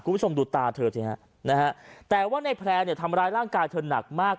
คุณผู้ชมดูตาเธอสิฮะนะฮะแต่ว่าในแพร่เนี่ยทำร้ายร่างกายเธอหนักมาก